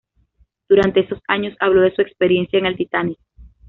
Durante esos años, habló de su experiencia en el "Titanic".